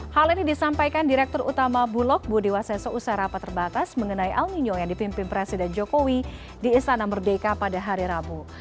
hal ini disampaikan direktur utama bulog budiwaseso usara paterbatas mengenai alminyong yang dipimpin presiden jokowi di istana merdeka pada hari rabu